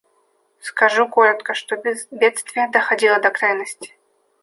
Скажу коротко, что бедствие доходило до крайности.